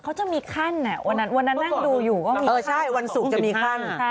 เขาจะมีขั้นวันนั้นนั่งดูอยู่ก็มีวันศุกร์จะมีขั้น